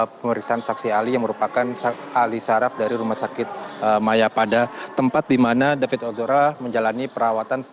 pemeriksaan saksi ahli yang merupakan ahli saraf dari rumah sakit maya pada tempat di mana david ozora menjalani perawatan